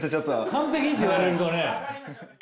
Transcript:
「完璧に」って言われるとね。